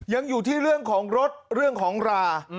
ยังอยู่ที่เรื่องของรถเรื่องของรา